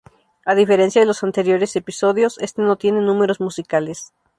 A diferencia de los anteriores episodios, este no tiene números musicales.